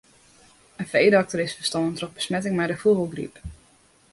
In feedokter is ferstoarn troch besmetting mei de fûgelgryp.